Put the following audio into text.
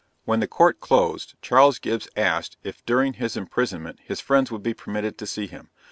When the Court closed, Charles Gibbs asked, if during his imprisonment, his friends would be permitted to see him.